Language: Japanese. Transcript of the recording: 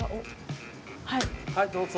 はいどうぞ。